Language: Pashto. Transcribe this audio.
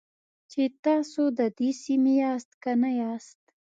چې تاسو د دې سیمې یاست که نه یاست.